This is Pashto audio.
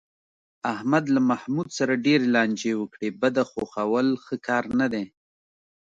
احمد له محمود سره ډېرې لانجې وکړې، بده خوښول ښه کار نه دی.